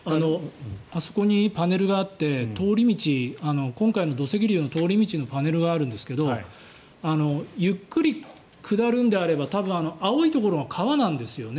あそこにパネルがあって今回の土石流の通り道のパネルがあるんですけどゆっくり下るんであれば多分、青いところが川なんですよね。